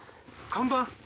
看板！